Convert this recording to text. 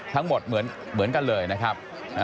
ทั้งหมดเหมือนกันเลยนะครับ